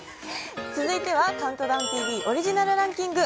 続いては「ＣＤＴＶ」オリジナルランキング。